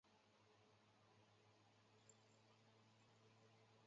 死后赠兵部右侍郎。